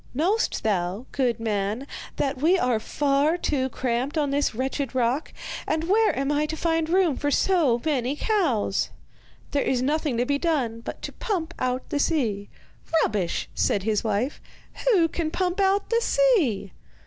'Know'st thou, good man, that we are far too cramped on this wretched rock, and where am I to find room for so many cows?' 'There is nothing to be done but to pump out the sea.' 'Rubbish!' said his wife. 'Who can pump out the sea?